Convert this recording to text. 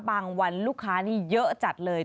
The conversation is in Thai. วันลูกค้านี่เยอะจัดเลย